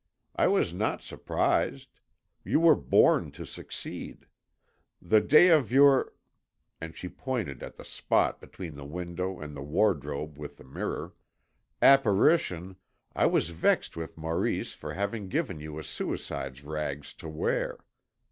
I was not surprised. You were born to succeed. The day of your" and she pointed at the spot between the window and the wardrobe with the mirror "apparition, I was vexed with Maurice for having given you a suicide's rags to wear.